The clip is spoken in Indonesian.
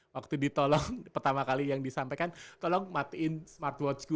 waktu ditolong pertama kali yang disampaikan tolong matiin smartwatch gue gitu